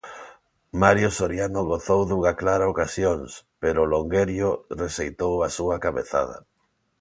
Mario Soriano gozou dunha clara ocasións, pero o longuerio rexeitou a súa cabezada.